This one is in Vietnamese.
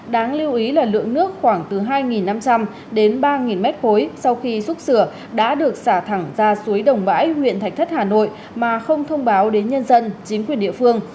đáng lưu ý là lượng nước khoảng từ hai năm trăm linh đến ba mét khối sau khi xúc sửa đã được xả thẳng ra suối đồng bãi huyện thạch thất hà nội mà không thông báo đến nhân dân chính quyền địa phương